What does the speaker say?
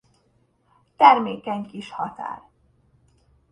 Termékeny kis határ.